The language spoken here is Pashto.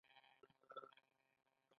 دا د ښځو جامې پلورنځی دی.